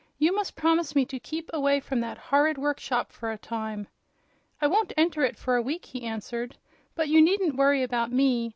You must promise me to keep away from that horrid workshop for a time." "I won't enter it for a week," he answered. "But you needn't worry about me.